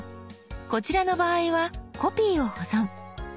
こちらの場合は「コピーを保存」。